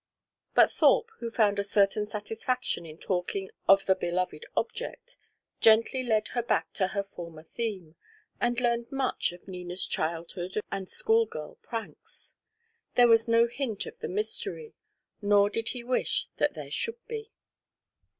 But Thorpe, who found a certain satisfaction in talking of the beloved object, gently led her back to her former theme, and learned much of Nina's childhood and school girl pranks. There was no hint of the mystery, nor did he wish that there should be.